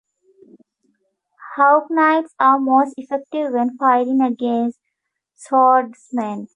Hawknights are most effective when fighting against Swordsmen.